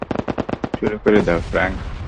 শুরু করে দাও, ফ্রাংক।